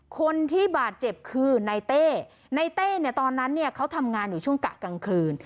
คนที่บาดเจ็บคือนายเต้ในเต้เนี่ยตอนนั้นเนี่ยเขาทำงานอยู่ช่วงกะกลางคืน